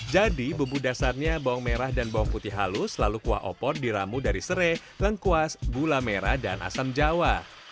jadi bubu dasarnya bawang merah dan bawang putih halus lalu kuah opor diramu dari sereh lengkuas gula merah dan asam jawa